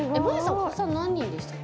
お子さん何人でしたっけ？